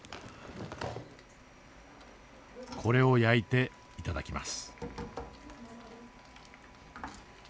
これを焼いて頂きます。